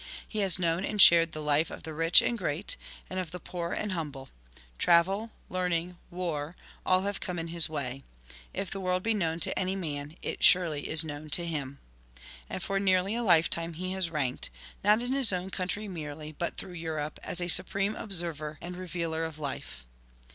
He has known and shared the life of the rich and great, and of the poor and humble ; traivel, learning, war, all have come in his way ; if the world be known to any man, it surely is known to him. And for nearly a lifetime he has ranked, not in his own country merely, but through Europe, as a supreme observer and revealer of life.